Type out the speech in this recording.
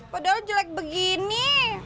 padahal jelek begini